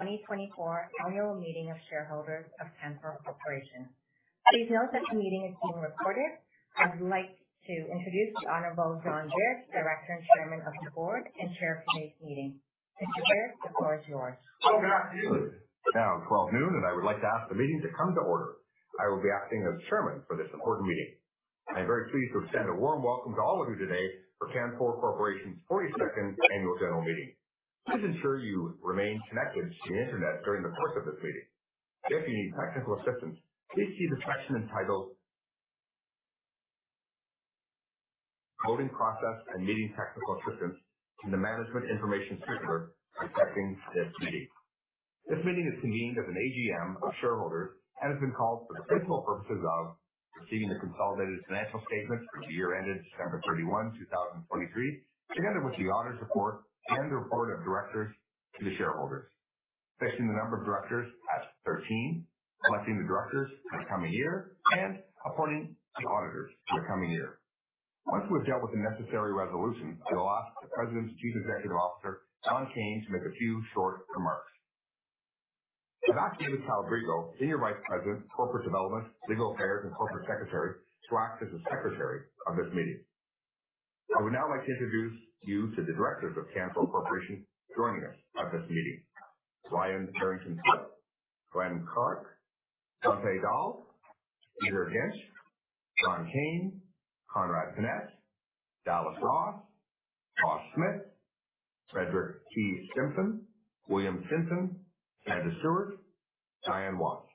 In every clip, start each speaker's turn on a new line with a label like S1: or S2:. S1: 2024 Annual Meeting of Shareholders of Canfor Corporation. Please note that the meeting is being recorded. I would like to introduce the Honorable John Baird, Director and Chairman of the Board, and Chair for today's meeting. Mr. Baird, the floor is yours.
S2: Good afternoon. It is now 12:00 noon, and I would like to ask the meeting to come to order. I will be acting as chairman for this important meeting. I'm very pleased to extend a warm welcome to all of you today for Canfor Corporation's 42nd Annual General Meeting. Please ensure you remain connected to the Internet during the course of this meeting. If you need technical assistance, please see the section entitled, "Voting Process and Meeting Technical Assistance" in the Management Information Circular respecting this meeting. This meeting is convened as an AGM of shareholders and has been called for the principal purposes of receiving the consolidated financial statements for the year ended December 31, 2023, together with the auditor's report and the report of directors to the shareholders. Fixing the number of directors at 13, electing the directors for the coming year, and appointing the auditors for the coming year. Once we've dealt with the necessary resolution, we will ask the President and Chief Executive Officer, Don Kayne, to make a few short remarks. Ask David Calabrigo, Senior Vice President, Corporate Development, Legal Affairs, and Corporate Secretary, to act as the Secretary of this meeting. I would now like to introduce you to the directors of Canfor Corporation joining us at this meeting. Ryan Barrington-Foote, Glen Clark, Santhe Dahl, Dieter Jentsch, Don Kayne, Conrad Pinette, Dallas Ross, Ross Smith, Frederick Stimpson, William Stinson, Sandra Stuart, Dianne Watts.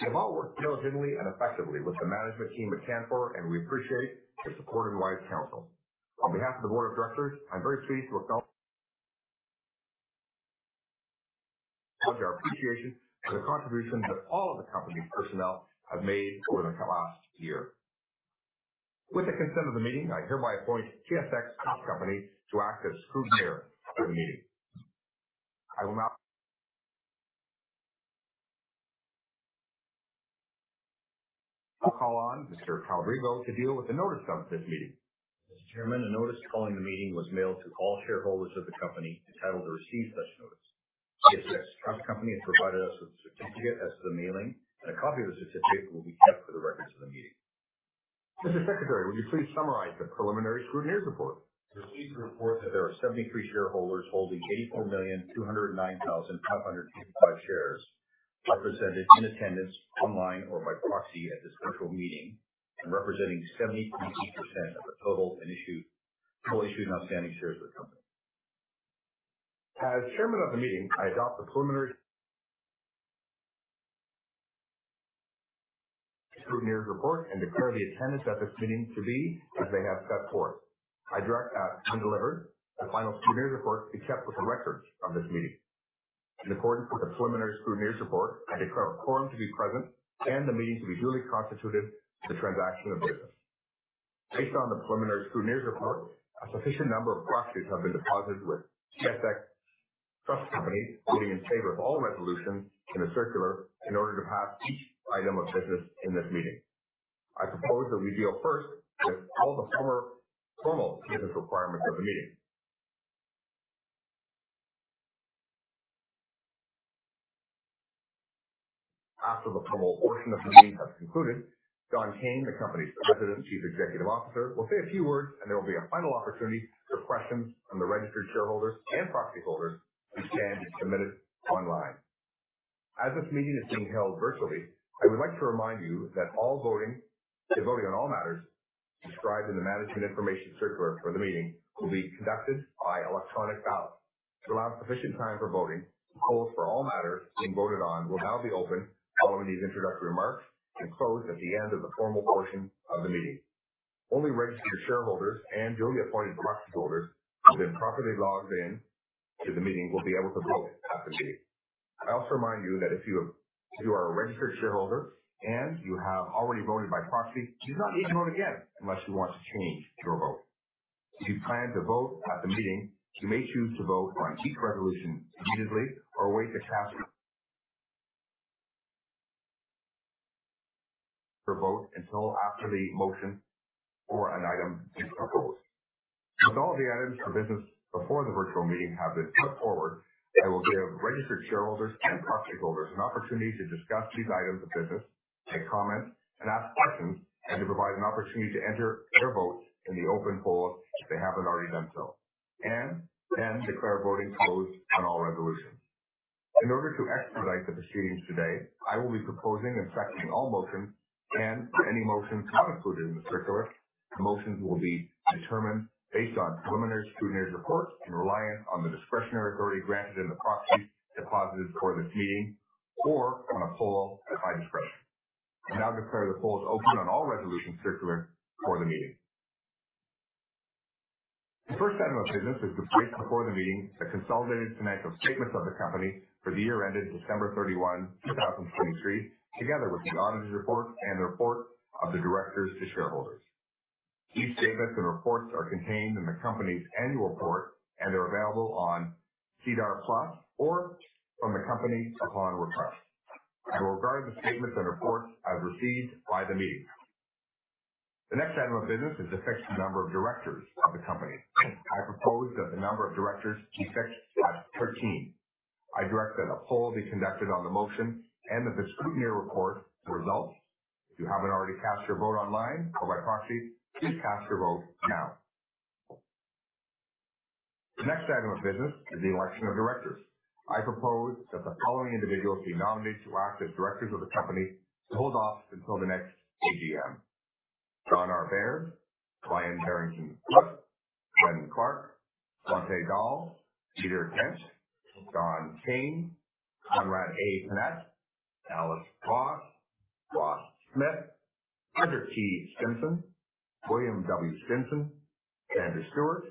S2: They have all worked diligently and effectively with the management team at Canfor, and we appreciate their support and wise counsel. On behalf of the board of directors, I'm very pleased to acknowledge. Our appreciation for the contributions that all of the company's personnel have made over the last year. With the consent of the meeting, I hereby appoint TSX Trust Company to act as scrutineer for the meeting. I will now... I'll call on Mr. Calabrigo to deal with the notice of this meeting.
S3: Mr. Chairman, the notice calling the meeting was mailed to all shareholders of the company entitled to receive such notice. TSX Trust Company has provided us with a certificate as to the mailing, and a copy of the certificate will be kept for the records of the meeting.
S2: Mr. Secretary, would you please summarize the preliminary scrutineer's report?
S3: I receive the report that there are 73 shareholders holding 84,209,585 shares represented in attendance, online or by proxy, at this virtual meeting, and representing 73% of the total issued and outstanding shares of the company.
S2: As Chairman of the meeting, I adopt the preliminary scrutineer's report and declare the attendance at this meeting to be as they have set forth. I direct that when delivered, the final scrutineer's report be kept with the records of this meeting. In accordance with the preliminary scrutineer's report, I declare a quorum to be present and the meeting to be duly constituted for the transaction of business. Based on the preliminary scrutineer's report, a sufficient number of proxies have been deposited with TSX Trust Company, voting in favor of all resolutions in the circular in order to pass each item of business in this meeting. I propose that we deal first with all the former formal business requirements of the meeting. After the formal portion of the meeting has concluded, Don Kayne, the company's President and Chief Executive Officer, will say a few words and there will be a final opportunity for questions from the registered shareholders and proxy holders who can submit it online. As this meeting is being held virtually, I would like to remind you that all voting, the voting on all matters described in the Management Information Circular for the meeting will be conducted by electronic ballot. To allow sufficient time for voting, the polls for all matters being voted on will now be open, following these introductory remarks, and close at the end of the formal portion of the meeting. Only registered shareholders and duly appointed proxy holders who have been properly logged in to the meeting will be able to vote at the meeting. I also remind you that if you are a registered shareholder and you have already voted by proxy, you do not need to vote again unless you want to change your vote. If you plan to vote at the meeting, you may choose to vote on each resolution immediately or wait to cast... your vote until after the motion for an item is proposed. As all the items for business before the virtual meeting have been put forward, I will give registered shareholders and proxy holders an opportunity to discuss these items of business, make comments, and ask questions, and to provide an opportunity to enter their votes in the open poll, if they haven't already done so. And then declare voting closed on all resolutions. In order to expedite the proceedings today, I will be proposing and seconding all motions, and any motions not included in the circular. The motions will be determined based on preliminary scrutineer’s reports and reliant on the discretionary authority granted in the proxies deposited for this meeting or on a poll, at my discretion. I now declare the polls open on all resolutions in the circular for the meeting. The first item of business is to place before the meeting a consolidated financial statements of the company for the year ended December 31, 2023, together with the auditor's report and the report of the directors to shareholders. Each statements and reports are contained in the company's annual report, and they're available on SEDAR+ or from the company upon request. I will regard the statements and reports as received by the meeting. The next item of business is to fix the number of directors of the company. I propose that the number of directors be fixed at 13. I direct that a poll be conducted on the motion and that the scrutineer report the results. If you haven't already cast your vote online or by proxy, please cast your vote now. The next item of business is the election of directors. I propose that the following individuals be nominated to act as directors of the company to hold office until the next AGM. John Baird, Ryan Barrington-Foote, Glen Clark, Santhe Dahl, Dieter Jentsch, Don Kayne, Conrad Pinette, Dallas Ross, Ross Smith, Frederick Stimpson, William Stinson, Sandra Stuart,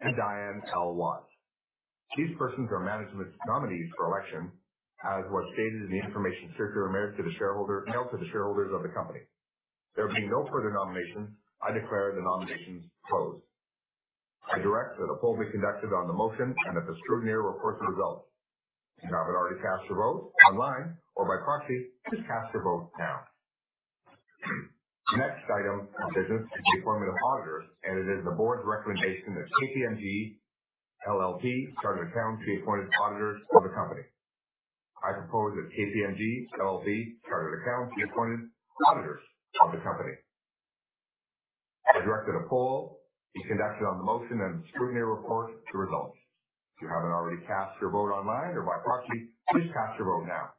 S2: and Dianne Watts. These persons are management's nominees for election, as was stated in the information circular mailed to the shareholder, mailed to the shareholders of the company. There being no further nominations, I declare the nominations closed. I direct that a poll be conducted on the motion and that the scrutineer report the results. If you haven't already cast your vote online or by proxy, please cast your vote now. The next item of business is the appointment of auditors, and it is the board's recommendation that KPMG LLP, Chartered Accountants, be appointed auditors for the company. I propose that KPMG LLP, Chartered Accountants, be appointed auditors of the company. I direct that a poll be conducted on the motion and the scrutineer report the results. If you haven't already cast your vote online or by proxy, please cast your vote now.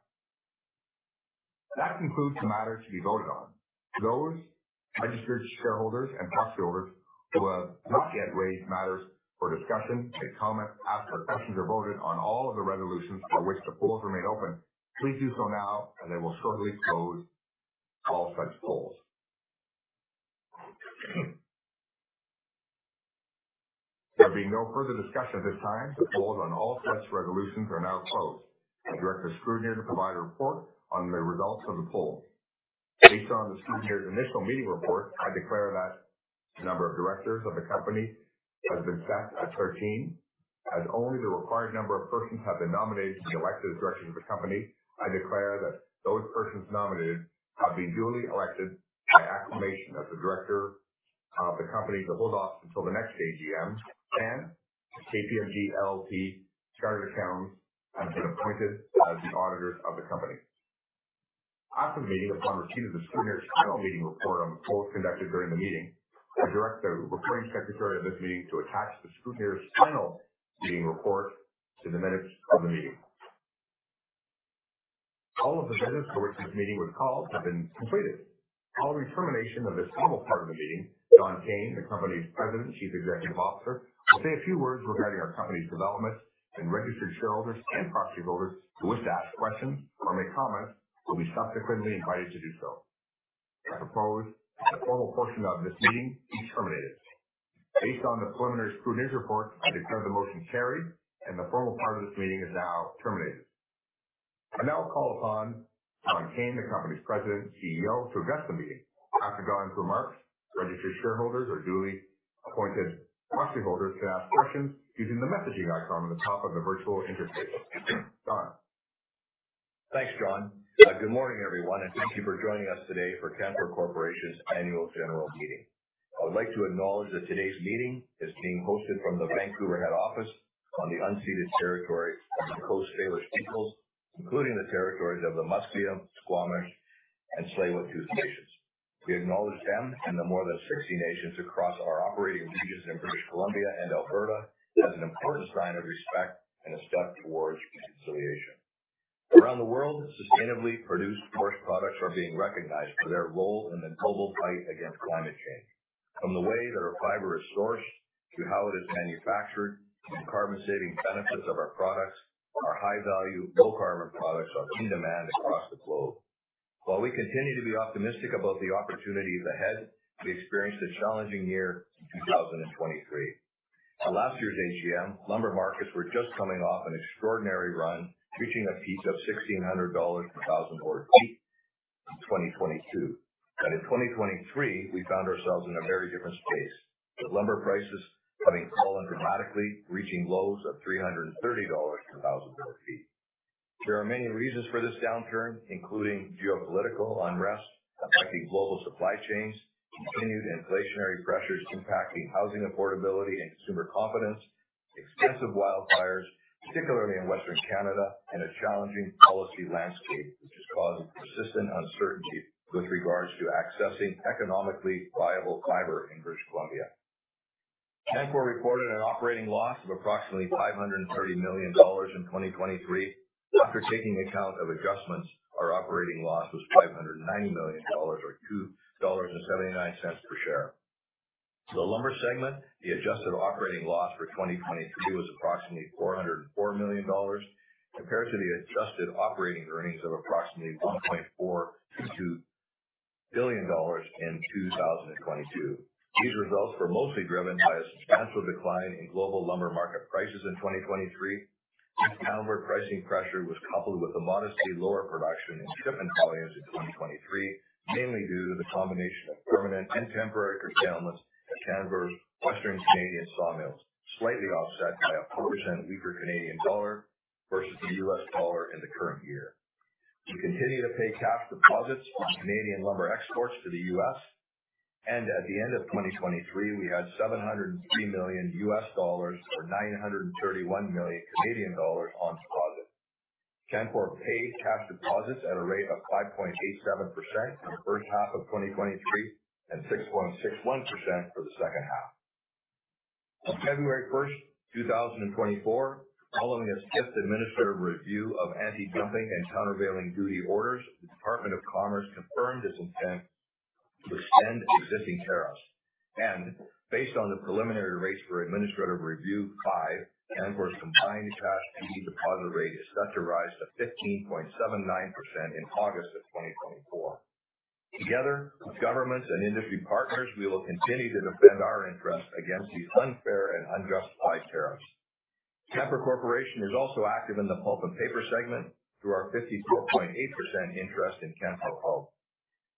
S2: That concludes the matters to be voted on. To those registered shareholders and proxyholders who have not yet raised matters for discussion and comment after questions are voted on all of the resolutions for which the polls remain open, please do so now, and I will shortly close all such polls. There being no further discussion at this time, the polls on all such resolutions are now closed. I direct the scrutineer to provide a report on the results of the poll. Based on the scrutineer's initial meeting report, I declare that the number of directors of the company has been set at 13, as only the required number of persons have been nominated and elected as directors of the company. I declare that those persons nominated have been duly elected by acclamation as a director of the company to hold office until the next AGM, and KPMG LLP, Chartered Accountants, have been appointed as the auditors of the company. After the meeting, upon receipt of the scrutineer's final meeting report on the polls conducted during the meeting, I direct the reporting secretary of this meeting to attach the scrutineer's final meeting report to the minutes of the meeting. All of the business for which this meeting was called have been completed. Following termination of this formal part of the meeting, Don Kayne, the company's President and Chief Executive Officer, will say a few words regarding our company's development, and registered shareholders and proxyholders who wish to ask questions or make comments will be subsequently invited to do so. I propose that the formal portion of this meeting be terminated. Based on the preliminary scrutineer's report, I declare the motion carried, and the formal part of this meeting is now terminated. I now call upon Don Kayne, the company's President and CEO, to address the meeting. After Don's remarks, registered shareholders or duly appointed proxyholders can ask questions using the messaging icon on the top of the virtual interface. Don?
S4: Thanks, John. Good morning, everyone, and thank you for joining us today for Canfor Corporation's Annual General Meeting. I would like to acknowledge that today's meeting is being hosted from the Vancouver head office on the unceded territory of the Coast Salish peoples, including the territories of the Musqueam, Squamish, and Tsleil-Waututh Nations. We acknowledge them and the more than 60 nations across our operating regions in British Columbia and Alberta as an important sign of respect and a step towards reconciliation. Around the world, sustainably produced forest products are being recognized for their role in the global fight against climate change. From the way that our fiber is sourced, to how it is manufactured, and carbon saving benefits of our products, our high-value, low-carbon products are in demand across the globe. While we continue to be optimistic about the opportunities ahead, we experienced a challenging year in 2023. At last year's AGM, lumber markets were just coming off an extraordinary run, reaching a peak of $1,600 per thousand board feet in 2022. But in 2023, we found ourselves in a very different space, with lumber prices collapsing dramatically, reaching lows of $330 per thousand board feet. There are many reasons for this downturn, including geopolitical unrest affecting global supply chains, continued inflationary pressures impacting housing affordability and consumer confidence, extensive wildfires, particularly in Western Canada, and a challenging policy landscape, which has caused persistent uncertainty with regards to accessing economically viable fiber in British Columbia. Canfor reported an operating loss of approximately 530 million dollars in 2023. After taking account of adjustments, our operating loss was $590 million, or $2.79 per share. The lumber segment, the adjusted operating loss for 2023, was approximately $404 million, compared to the adjusted operating earnings of approximately $1.42 billion in 2022. These results were mostly driven by a substantial decline in global lumber market prices in 2023. Timber pricing pressure was coupled with a modestly lower production in shipment volumes in 2023, mainly due to the combination of permanent and temporary curtailments at Canfor's Western Canadian sawmills, slightly offset by a 4% weaker Canadian dollar versus the U.S. dollar in the current year. We continue to pay cash deposits on Canadian lumber exports to the U.S., and at the end of 2023, we had $703 million, or 931 million Canadian dollars, on deposit. Canfor paid cash deposits at a rate of 5.87% in the first half of 2023, and 6.61% for the second half. On February 1, 2024, following a 5th administrative review of antidumping and countervailing duty orders, the U.S. Department of Commerce confirmed its intent to extend existing tariffs, and based on the preliminary rates for Administrative Review 5, Canfor's combined cash duty deposit rate is set to rise to 15.79% in August 2024. Together, with governments and industry partners, we will continue to defend our interests against these unfair and unjustified tariffs. Canfor Corporation is also active in the pulp and paper segment through our 54.8% interest in Canfor Pulp.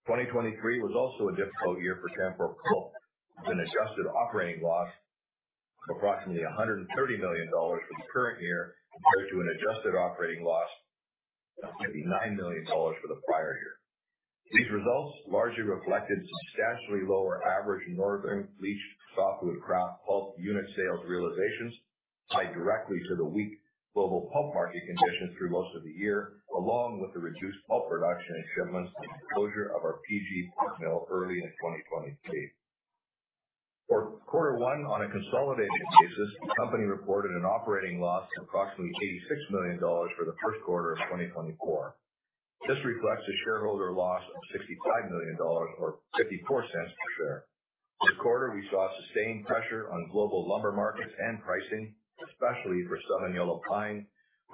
S4: 2023 was also a difficult year for Canfor Pulp, with an adjusted operating loss of approximately 130 million dollars for the current year, compared to an adjusted operating loss of 99 million dollars for the prior year. These results largely reflected substantially lower average Northern Bleached Softwood Kraft Pulp unit sales realizations, tied directly to the weak global pulp market conditions through most of the year, along with the reduced pulp production and shipments, and the closure of our PG pulp mill early in 2023. For quarter one, on a consolidated basis, the company reported an operating loss of approximately 86 million dollars for the Q1 of 2024. This reflects a shareholder loss of 65 million dollars or 0.54 per share. This quarter, we saw sustained pressure on global lumber markets and pricing, especially for Southern Yellow Pine,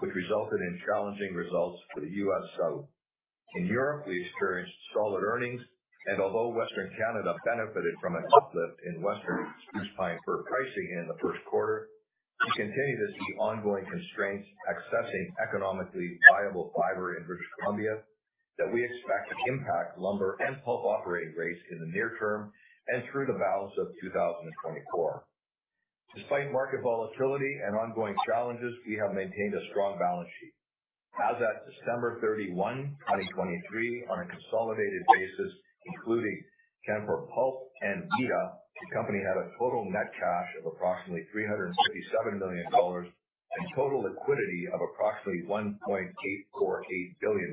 S4: which resulted in challenging results for the U.S. South. In Europe, we experienced solid earnings, and although Western Canada benefited from an uplift in Western Spruce-Pine-Fir pricing in the Q1, we continue to see ongoing constraints accessing economically viable fiber in British Columbia that we expect to impact lumber and pulp operating rates in the near term and through the balance of 2024. Despite market volatility and ongoing challenges, we have maintained a strong balance sheet. As at December 31, 2023, on a consolidated basis, including Canfor Pulp and Vida, the company had a total net cash of approximately $357 million and total liquidity of approximately $1.848 billion.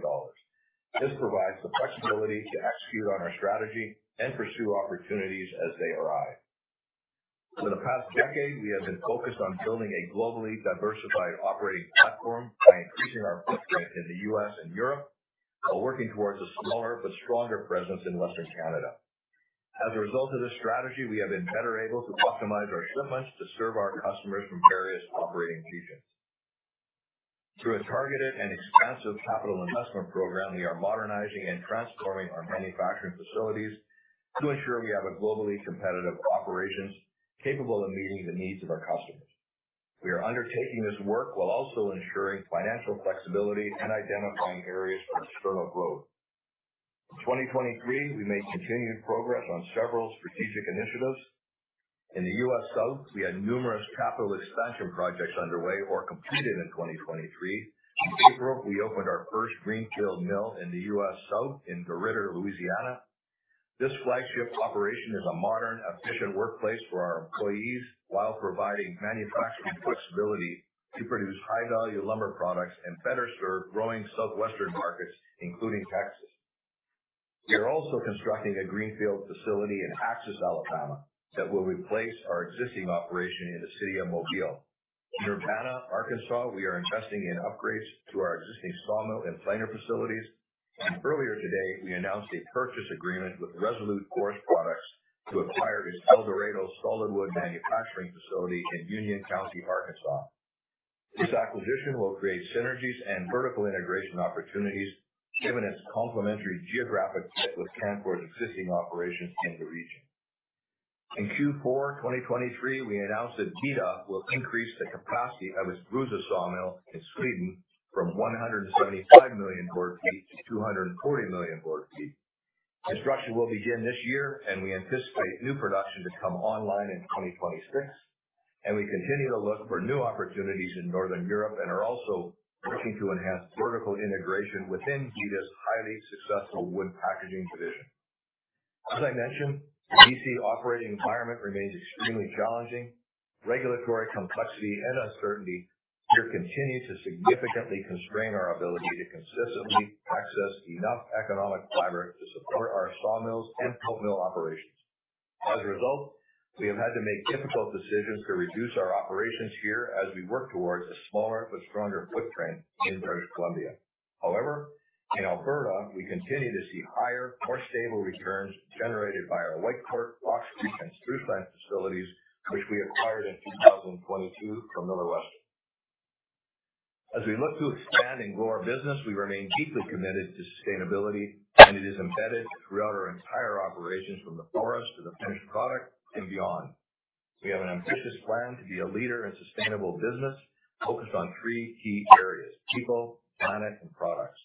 S4: This provides the flexibility to execute on our strategy and pursue opportunities as they arise. For the past decade, we have been focused on building a globally diversified operating platform by increasing our footprint in the U.S. and Europe, while working towards a smaller but stronger presence in Western Canada. As a result of this strategy, we have been better able to customize our shipments to serve our customers from various operating regions. Through a targeted and expansive capital investment program, we are modernizing and transforming our manufacturing facilities to ensure we have a globally competitive operations capable of meeting the needs of our customers. We are undertaking this work while also ensuring financial flexibility and identifying areas for external growth. In 2023, we made continued progress on several strategic initiatives. In the U.S. South, we had numerous capital expansion projects underway or completed in 2023. In April, we opened our first greenfield mill in the US South in DeRidder, Louisiana. This flagship operation is a modern, efficient workplace for our employees while providing manufacturing flexibility to produce high-value lumber products and better serve growing Southwestern markets, including Texas. We are also constructing a greenfield facility in Axis, Alabama, that will replace our existing operation in the city of Mobile. In Urbana, Arkansas, we are investing in upgrades to our existing sawmill and planer facilities, and earlier today, we announced a purchase agreement with Resolute Forest Products to acquire its El Dorado solid wood manufacturing facility in Union County, Arkansas. This acquisition will create synergies and vertical integration opportunities, given its complementary geographic fit with Canfor's existing operations in the region. In Q4 2023, we announced that Vida will increase the capacity of its Bruza Sawmill in Sweden from 175 million board feet to 240 million board feet. Construction will begin this year, and we anticipate new production to come online in 2026, and we continue to look for new opportunities in Northern Europe and are also working to enhance vertical integration within Vida's highly successful wood packaging division. As I mentioned, the BC operating environment remains extremely challenging. Regulatory complexity and uncertainty here continue to significantly constrain our ability to consistently access enough economic fiber to support our sawmills and pulp mill operations. As a result, we have had to make difficult decisions to reduce our operations here as we work towards a smaller but stronger footprint in British Columbia. However, in Alberta, we continue to see higher, more stable returns generated by our Whitecourt, Fox Creek, and Spruceland facilities, which we acquired in 2022 from Millar Western. As we look to expand and grow our business, we remain deeply committed to sustainability, and it is embedded throughout our entire operations, from the forest to the finished product and beyond. We have an ambitious plan to be a leader in sustainable business, focused on three key areas: people, planet, and products.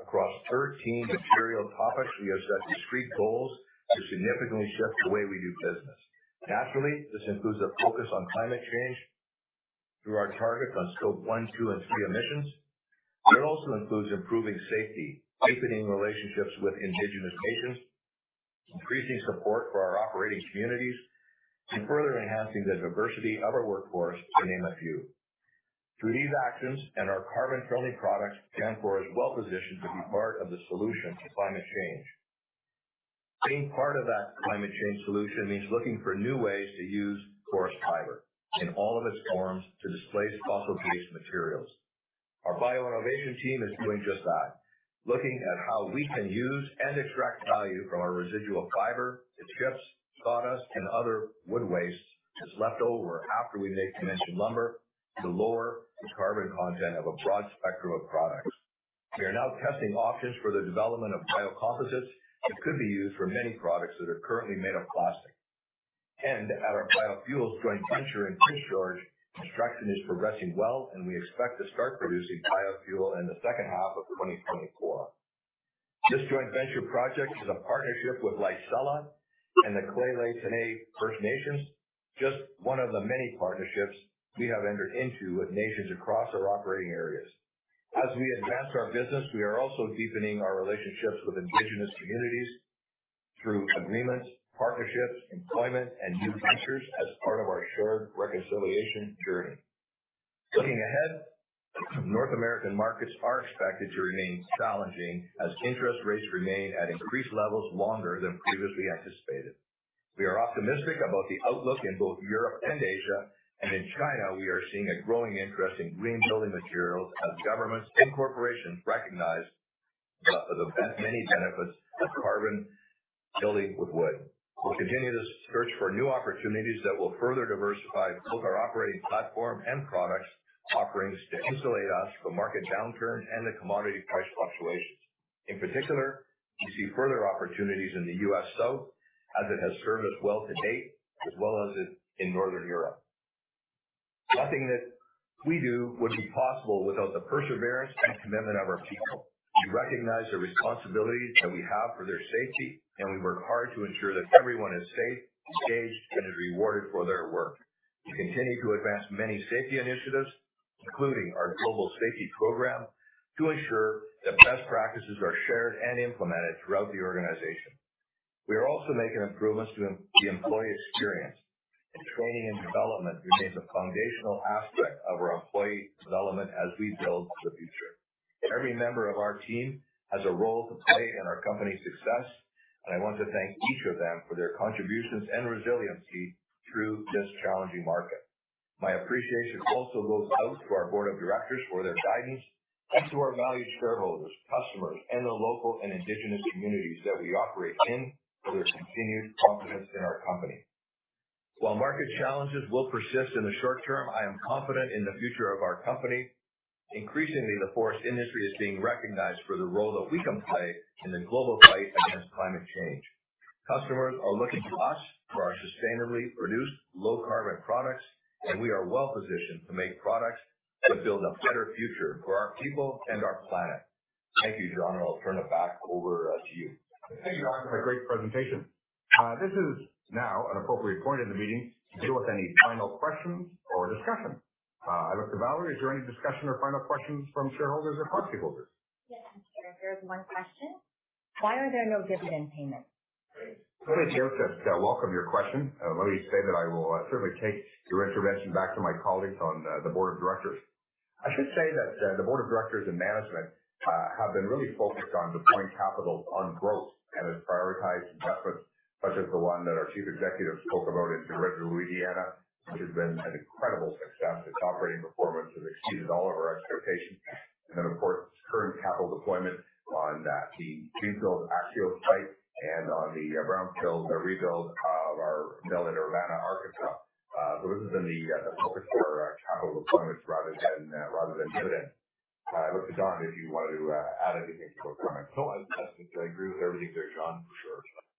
S4: Across 13 material topics, we have set discrete goals to significantly shift the way we do business. Naturally, this includes a focus on climate change.... Through our target on Scope 1, 2, and 3 emissions, but it also includes improving safety, deepening relationships with Indigenous nations, increasing support for our operating communities, and further enhancing the diversity of our workforce, to name a few. Through these actions and our carbon-friendly products, Canfor is well positioned to be part of the solution to climate change. Being part of that climate change solution means looking for new ways to use forest fiber in all of its forms to displace fossil-based materials. Our bioinnovation team is doing just that, looking at how we can use and extract value from our residual fiber, its chips, sawdust, and other wood waste that's left over after we make dimension lumber to lower the carbon content of a broad spectrum of products. We are now testing options for the development of biocomposites that could be used for many products that are currently made of plastic. At our biofuels joint venture in Prince George, construction is progressing well, and we expect to start producing biofuel in the second half of 2024. This joint venture project is a partnership with Licella and the Lheidli T'enneh First Nation, just one of the many partnerships we have entered into with nations across our operating areas. As we advance our business, we are also deepening our relationships with Indigenous communities through agreements, partnerships, employment, and new ventures as part of our shared reconciliation journey. Looking ahead, North American markets are expected to remain challenging as interest rates remain at increased levels longer than previously anticipated. We are optimistic about the outlook in both Europe and Asia, and in China, we are seeing a growing interest in green building materials as governments and corporations recognize the many benefits of carbon building with wood. We'll continue to search for new opportunities that will further diversify both our operating platform and products offerings to insulate us from market downturns and the commodity price fluctuations. In particular, we see further opportunities in the US South as it has served us well to date, as well as in Northern Europe. Nothing that we do would be possible without the perseverance and commitment of our people. We recognize the responsibility that we have for their safety, and we work hard to ensure that everyone is safe, engaged, and is rewarded for their work. We continue to advance many safety initiatives, including our global safety program, to ensure that best practices are shared and implemented throughout the organization. We are also making improvements to the employee experience, and training and development remains a foundational aspect of our employee development as we build the future. Every member of our team has a role to play in our company's success, and I want to thank each of them for their contributions and resiliency through this challenging market. My appreciation also goes out to our board of directors for their guidance, and to our valued shareholders, customers, and the local and indigenous communities that we operate in for their continued confidence in our company. While market challenges will persist in the short term, I am confident in the future of our company. Increasingly, the forest industry is being recognized for the role that we can play in the global fight against climate change. Customers are looking to us for our sustainably produced, low-carbon products, and we are well positioned to make products that build a better future for our people and our planet. Thank you, John, and I'll turn it back over to you.
S2: Thank you for a great presentation. This is now an appropriate point in the meeting to deal with any final questions or discussion. I look to Valerie, is there any discussion or final questions from shareholders or proxyholders?
S1: Yes, there is one question. Why are there no dividend payments?
S2: Hey, Joseph, welcome your question. Let me say that I will certainly take your intervention back to my colleagues on the board of directors. I should say that the board of directors and management have been really focused on deploying capital on growth and has prioritized efforts such as the one that our Chief Executive spoke about in Louisiana, which has been an incredible success. Its operating performance has exceeded all of our expectations. And then, of course, current capital deployment on the greenfield Axis site and on the brownfield rebuild of our mill in Urbana, Arkansas. So this has been the focus for our capital deployment rather than dividend. I look to John, if you wanted to add anything to our comments.No, I agree with everything there, John, for sure.